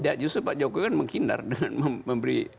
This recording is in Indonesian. tidak justru pak jokowi kan menghindar dengan memberi